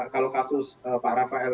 kalau kasus pak rafael